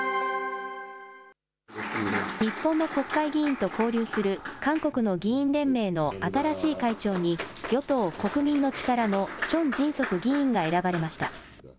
日本の国会議員と交流する韓国の議員連盟の新しい会長に、与党・国民の力のチョン・ジンソク議員が選ばれました。